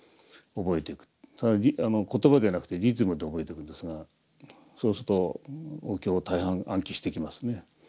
言葉でなくてリズムで覚えていくんですがそうするとお経を大半暗記していきますね。